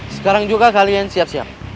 sekarang juga kalian siap siap